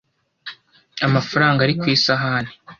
amafaranga ari ku isahane